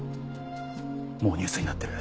もうニュースになってる。